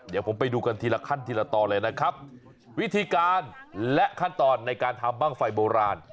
เดี๋ยวผมไปดูกันทีละขั้นทีละตอนเลยนะครับวิธีการและขั้นตอนในการทำบ้างไฟโบราณ